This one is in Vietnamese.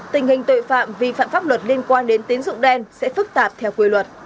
tình hình tội phạm vi phạm pháp luật liên quan đến tín dụng đen sẽ phức tạp theo quy luật